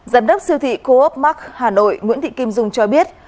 giám đốc siêu thị coopmark hà nội nguyễn thị kim dung cho biết